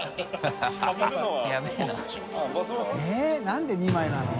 ─舛何で２枚なの？